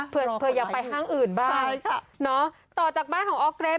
เผื่ออยากไปห้างอื่นบ้างต่อจากบ้านของออร์เกรส